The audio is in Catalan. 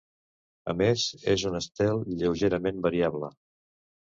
A més, és un estel lleugerament variable.